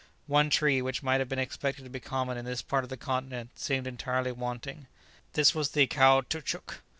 One tree which might have been expected to be common in this part of the continent seemed entirely wanting. This was the caoutchouc.